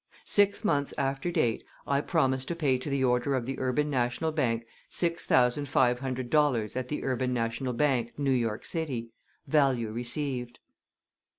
Six months after date I promise to pay to the order of the Urban National Bank Six thousand five hundred dollars at the Urban National Bank, New York City. Value received.